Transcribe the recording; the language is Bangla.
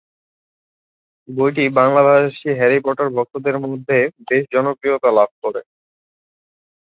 বইটি বাংলাভাষী হ্যারি পটার ভক্তদের মধ্যে বেশ জনপ্রিয়তা লাভ করে।